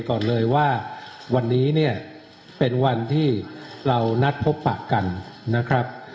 ก่อนเลยว่าวันนี้เนี่ยเป็นวันที่เรานัดพบปะกันนะครับ